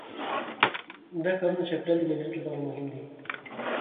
دا ښارونه د چاپیریال د مدیریت لپاره مهم دي.